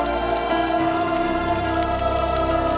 dinda sangat mencintai kakak anda